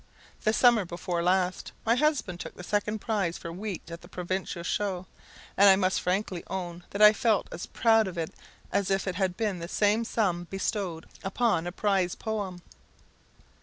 The summer before last, my husband took the second prize for wheat at the provincial show, and I must frankly own that I felt as proud of it as if it had been the same sum bestowed upon a prize poem.